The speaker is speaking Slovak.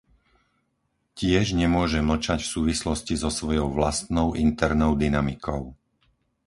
Tiež nemôže mlčať v súvislosti so svojou vlastnou internou dynamikou.